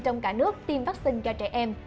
trong cả nước tiêm vaccine cho trẻ em